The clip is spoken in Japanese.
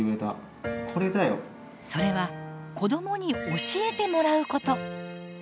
それは子どもに教えてもらうこと。